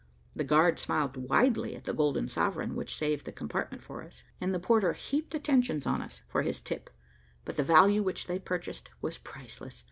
The guard smiled widely at the golden sovereign which saved the compartment for us, and the porter heaped attentions on us for his tip, but the value which they purchased was priceless.